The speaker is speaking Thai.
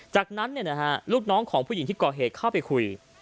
จากนั้นลูกน้องของผู้หญิงที่ก่อเหตุเข้าไปคุย